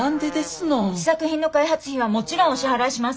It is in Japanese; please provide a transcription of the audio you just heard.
試作品の開発費はもちろんお支払いします。